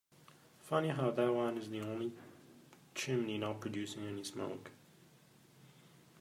Funny how that one is the only chimney not producing any smoke.